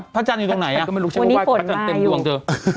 พระจันทร์อยู่ตรงไหนครับวันนี้ฝนมาอยู่